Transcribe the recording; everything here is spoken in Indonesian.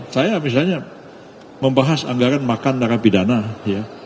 saya misalnya membahas anggaran makan narapidana ya